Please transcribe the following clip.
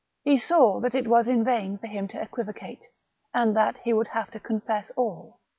He saw that it was in vain for him to equivocate, and that he would have to confess all.